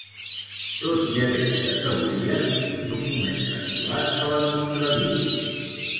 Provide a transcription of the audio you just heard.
Tot i aquesta teoria, quin document s'ha trobat que la contradiu?